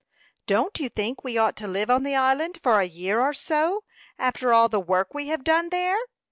"Don't you think we ought to live on the island for a year or so, after all the work we have done there?"